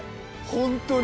本当に。